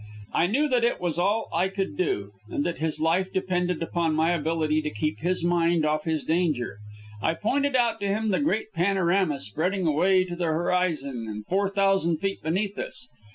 I knew that it was all I could do, and that his life depended upon my ability to keep his mind off his danger. I pointed out to him the great panorama spreading away to the horizon and four thousand feet beneath us.